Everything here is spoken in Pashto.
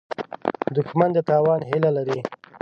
دښمن د تاوان هیله لري